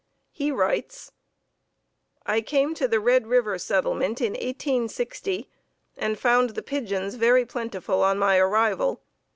He writes: "I came to the Red River Settlement in 1860 and found the pigeons very plentiful on my arrival.